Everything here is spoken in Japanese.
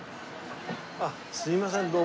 あっすいませんどうも。